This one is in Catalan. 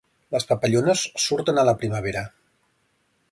Les papallones surten a la primavera.